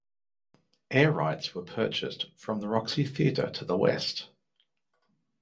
Air rights were purchased from the Roxy Theatre to the west.